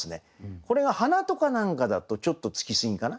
これが「花」とか何かだとちょっとつきすぎかな。